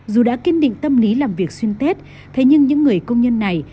dù đã kiên định tâm lý làm việc xuyên tết thế nhưng những người công nhân này